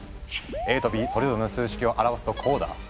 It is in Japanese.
ＡとＢそれぞれの数式を表すとこうだ。